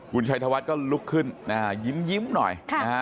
คุณชัยธวัฒน์ก็ลุกขึ้นยิ้มหน่อยนะฮะ